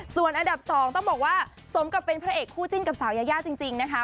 ส่วนอันดับ๒ต้องบอกว่าสมกับเป็นพระเอกคู่จิ้นกับสาวยายาจริงนะคะ